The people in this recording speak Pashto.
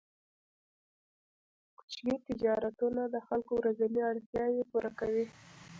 کوچني تجارتونه د خلکو ورځنۍ اړتیاوې پوره کوي.